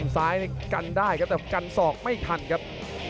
ซ้ายนี่กันได้ครับแต่กันศอกไม่ทันครับ